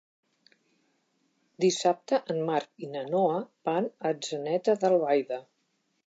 Dissabte en Marc i na Noa van a Atzeneta d'Albaida.